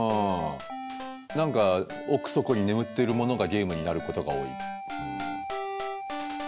何か奥底に眠ってるものがゲームになることが多い。